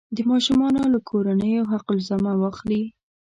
د ماشومانو له کورنیو حق الزحمه واخلي.